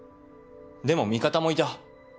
でも味方もいた。